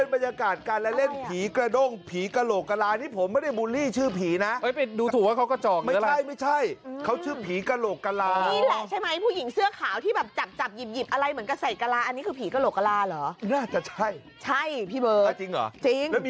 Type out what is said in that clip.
โบราณที่เพิ่มแยงเพวร์ฟ